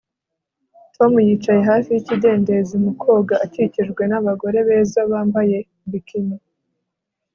Tom yicaye hafi yikidendezi mu koga akikijwe nabagore beza bambaye bikini